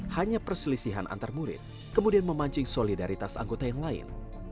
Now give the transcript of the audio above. hanya perselisihan antar murid kemudian memancing solidaritas anggota yang lain